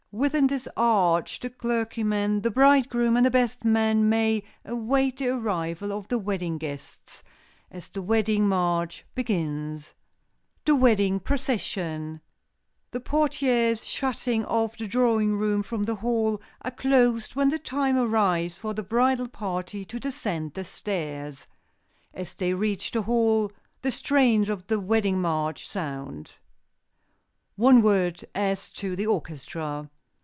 Within this arch the clergyman, the bridegroom and the best man may await the arrival of the wedding guests, as the wedding march begins. [Sidenote: THE WEDDING PROCESSION] The portières, shutting off the drawing room from the hall, are closed when the time arrives for the bridal party to descend the stairs. As they reach the hall the strains of the wedding march sound. One word as to the orchestra.